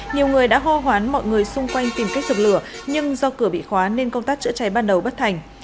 nhiều người đã hô hoán mọi người xung quanh tìm cách dập lửa nhưng do cửa bị khóa nên công tác chữa cháy ban đầu bất thành